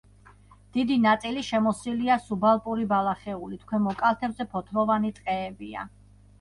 დიდი ნაწილი შემოსილია სუბალპური ბალახეულით, ქვემო კალთებზე ფოთლოვანი ტყეებია.